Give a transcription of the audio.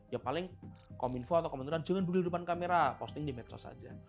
ya paling kominfo atau kementerian jangan berdiri di depan kamera posting di medsos saja